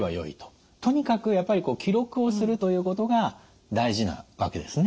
とにかくやっぱり記録をするということが大事なわけですね。